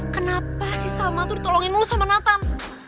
kenapa sih salma tuh ditolongin lo sama nathan